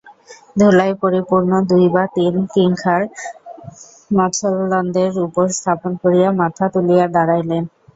ধুলায় পরিপূর্ণ দুই পা তিনি কিংখাব মছলন্দের উপর স্থাপন করিয়া মাথা তুলিয়া দাঁড়াইলেন।